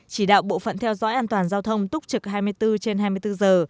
chỉ đạo bộ phận theo dõi an toàn giao thông túc trực hai mươi bốn trên hai mươi bốn giờ